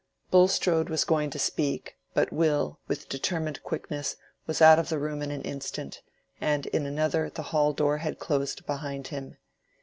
Bulstrode was going to speak, but Will, with determined quickness, was out of the room in an instant, and in another the hall door had closed behind him.